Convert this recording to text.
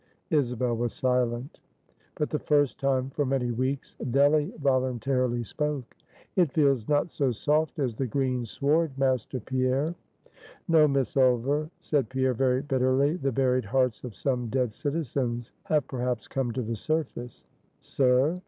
Isabel was silent. But, the first time for many weeks, Delly voluntarily spoke: "It feels not so soft as the green sward, Master Pierre." "No, Miss Ulver," said Pierre, very bitterly, "the buried hearts of some dead citizens have perhaps come to the surface." "Sir?"